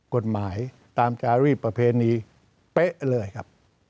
กฎหมายตามจริงประเภทนี้เป๊ะเลยครับ